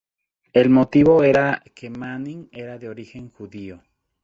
El motivo era que Manning era de origen judío.